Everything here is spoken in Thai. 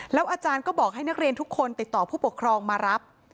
อาจารย์ก็บอกให้นักเรียนทุกคนติดต่อผู้ปกครองมารับ